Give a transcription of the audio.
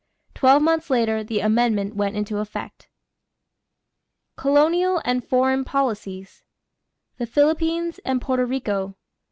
Twelve months later the amendment went into effect. COLONIAL AND FOREIGN POLICIES =The Philippines and Porto Rico.